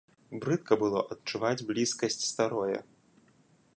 Брыдка было адчуваць блізкасць старое.